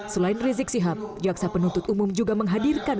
selain rizik sihab jaksa penuntut umum juga menghadirkan